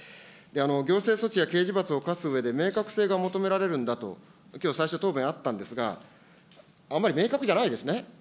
行政措置や刑事罰を科すうえで明確性が求められるんだと、きょう最初、答弁あったんですが、あまり明確じゃないですね。